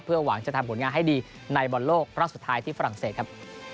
หวังจะทำผลงานให้ดีในบอลโลกรอบสุดท้ายที่ฝรั่งเศสครับ